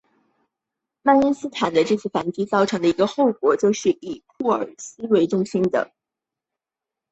曼施坦因的这次反击造成的一个后果就是以库尔斯克为中心的突出部的形成。